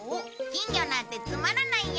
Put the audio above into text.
金魚なんてつまらないよ！